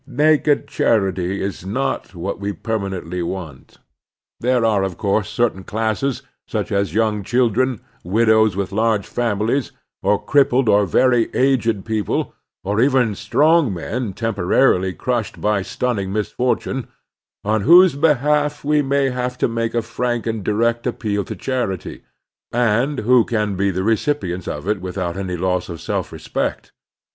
Naked charity is not what we permanently want. There are of course certain classes, such as young chil dren, widows with large families, or crippled or very aged people, or even strong men temporarily crushed by sttmning misfortime, on whose behalf we may have to make a frank and direct appeal to charity, and who can be the recipients of it with out any loss of self respect.